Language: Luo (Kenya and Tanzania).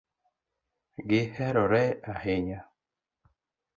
Gi herore ahinya